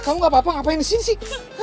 kamu gak apa apa ngapain disini sih